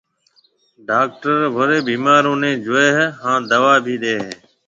ڊاڪٽروڻِي بيمارون نَي جوئي هانَ دوا ڀِي ڏي هيَ۔